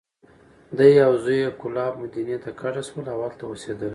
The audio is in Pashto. دی او زوی یې کلاب، مدینې ته کډه شول. او هلته اوسېدل.